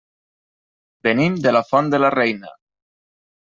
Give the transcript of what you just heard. Venim de la Font de la Reina.